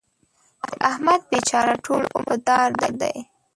د احمد بېچاره ټول عمر په دار دی.